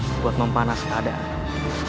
untuk mempanas keadaan